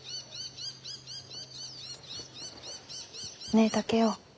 ねえ竹雄。